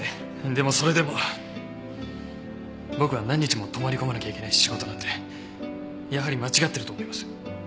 でもそれでも僕は何日も泊まり込まなきゃいけない仕事なんてやはり間違ってると思います。